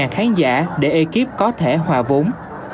một trăm năm mươi khán giả để ekip có thể hòa vốn